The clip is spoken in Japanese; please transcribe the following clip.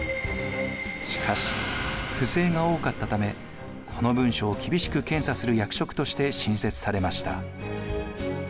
しかし不正が多かったためこの文書を厳しく検査する役職として新設されました。